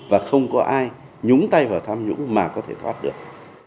và không có ai nhúng tay vào tham nhũng mà có thể thoát được